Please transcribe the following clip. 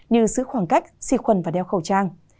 như giữ khoảng cách xị khuẩn và đeo khẩu trang